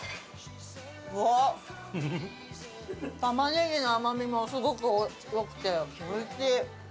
玉ねぎの甘みもすごく良くておいしい！